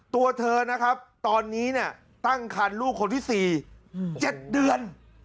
ตัวเธอนะครับตอนนี้เนี่ยตั้งคันลูกคนที่๔๗เดือน